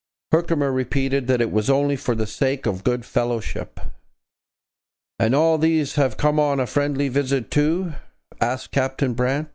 Herkimer repeated that it was only for the sake of good fellowship. 'And all these have come on a friendly visit too?' asked Captain Brant.